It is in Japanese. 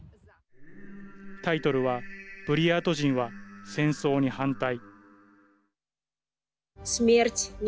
タイトルはブリヤート人は戦争に反対。